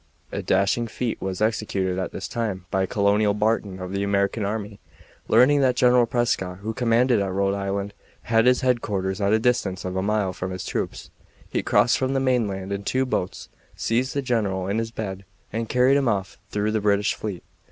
A dashing feat was executed at this time by Colonel Barton of the American army. Learning that General Prescott, who commanded at Rhode Island, had his headquarters at a distance of a mile from his troops, he crossed from the mainland in two boats, seized the general in his bed, and carried him off through the British fleet.